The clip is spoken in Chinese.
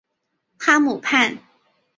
哈姆畔。